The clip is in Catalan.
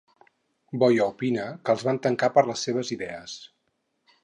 Boya opina que els van tancar per les seves idees?